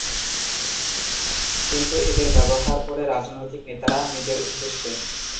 কিন্তু এদের ব্যবহার করে রাজনৈতিক নেতারা, নিজের উদ্দেশ্যে।